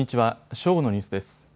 正午のニュースです。